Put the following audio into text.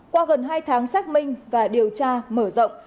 qua gần hai tháng xác minh và điều tra mở rộng